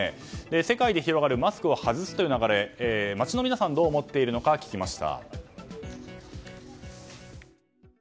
世界で広がるマスクを外すという流れ街の皆さんはどう思っているのか聞きました。